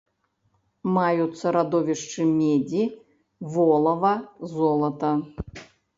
Маюцца радовішчы медзі, волава, золата.